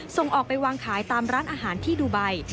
ส่งออกไปวางขายตามร้านอาหารที่ดูไบ